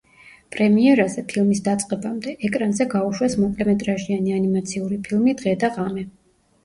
პრემიერაზე, ფილმის დაწყებამდე, ეკრანზე გაუშვეს მოკლემეტრაჟიანი ანიმაციური ფილმი „დღე და ღამე“.